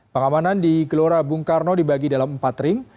pengamanan di gelora bung karno dibagi dalam empat ring